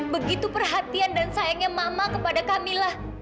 begitu perhatian dan sayangnya mama kepada kamila